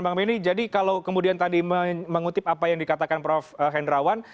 bang benny jadi kalau kemudian tadi mengutip apa yang dikatakan prof hendrawan